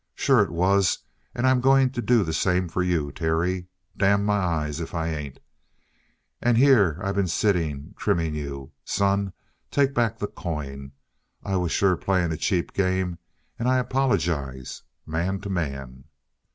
Sure it was, and I'm going to do the same for you, Terry. Damn my eyes if I ain't! And here I been sitting, trimming you! Son, take back the coin. I was sure playing a cheap game and I apologize, man to man."